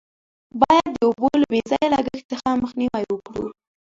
باید د اوبو له بې ځایه لگښت څخه مخنیوی وکړو.